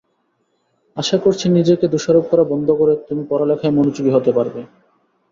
আশা করছি নিজেকে দোষারোপ করা বন্ধ করে তুমি লেখাপড়ায় মনোযোগী হতে পারবে।